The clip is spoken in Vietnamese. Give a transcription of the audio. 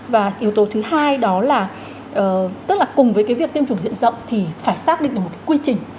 và yếu tố thứ hai đó là tức là cùng với cái việc tiêm chủng diện rộng thì phải xác định được một cái quy trình